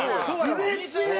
うれしい！